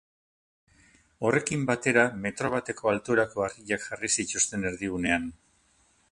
Horrekin batera metro bateko altuerako harriak jarri zituzten erdigunean.